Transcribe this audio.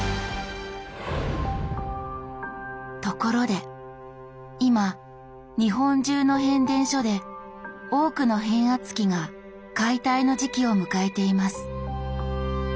ところで今日本中の変電所で多くの変圧器が解体の時期を迎えています。